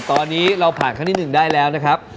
ตอนนี้เราผ่านขั้นที่๑ได้แล้วนะครับ